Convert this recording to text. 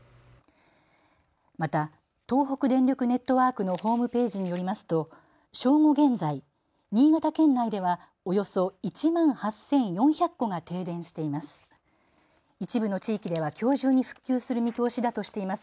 また東北電力ネットワークのホームページによりますと正午現在、新潟県内ではおよそ１万８４００戸が停電しています。